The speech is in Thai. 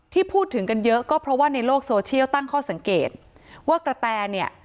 ที่พูดถึงกันเยอะก็เพราะว่าในโลกโซเชียลตั้งข้อสังเกตว่ากระแตเนี่ย